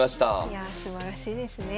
いやすばらしいですね。